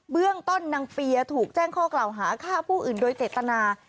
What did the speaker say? เรื่องต้นนางเปียถูกแจ้งข้อกล่าวหาฆ่าผู้อื่นโดยเจตนา